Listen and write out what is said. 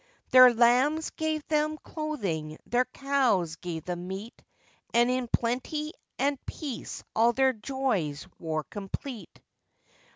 Their lambs gave them clothing, their cows gave them meat, And in plenty and peace all their joys wore complete.